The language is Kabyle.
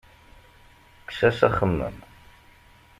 Kkes-as axemmem.